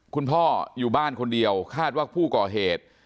คุณพ่ออยู่บ้านคนเดียวคาดว่าผู้ก่อเหตุ